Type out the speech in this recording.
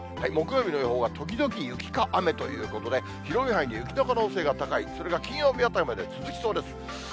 木曜日の予報が、時々雪か雨ということで、広い範囲で雪の可能性が高い、それから金曜日あたりまで続きそうです。